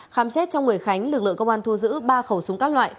khám xét trong người khánh lực lượng công an thu giữ ba khẩu súng các loại